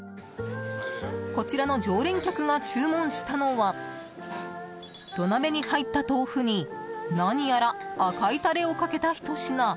こちらの常連客が注文したのは土鍋に入った豆腐に何やら赤いタレをかけたひと品。